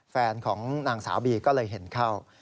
แฟนของนางสาวบีก็เลยเห็นเข้า